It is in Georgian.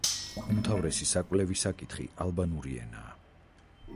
უმთავრესი საკვლევი საკითხი ალბანური ენაა.